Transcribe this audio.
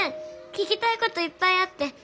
聞きたいこといっぱいあって。